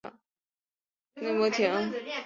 出身于长崎县。